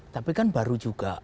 tapi kan baru juga